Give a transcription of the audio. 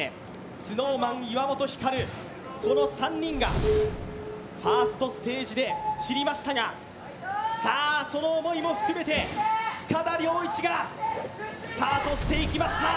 ＳｎｏｗＭａｎ、岩本照この３人がファーストステージで散りましたがさあ、その思いも含めて塚田僚一がスタートしました。